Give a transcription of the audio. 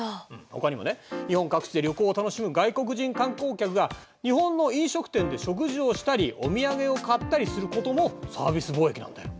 ほかにもね日本各地で旅行を楽しむ外国人観光客が日本の飲食店で食事をしたりお土産を買ったりすることもサービス貿易なんだよ。